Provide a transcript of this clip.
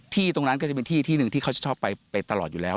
ตรงนั้นก็จะเป็นที่ที่หนึ่งที่เขาจะชอบไปตลอดอยู่แล้ว